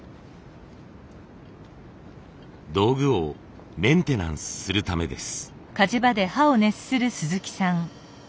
道具をメンテナンスするためです。